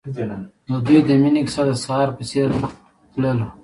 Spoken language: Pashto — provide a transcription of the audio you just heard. د دوی د مینې کیسه د سهار په څېر تلله.